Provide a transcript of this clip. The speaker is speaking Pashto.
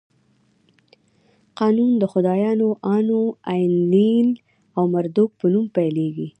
قانون د خدایانو آنو، اینلیل او مردوک په نوم پیلېږي.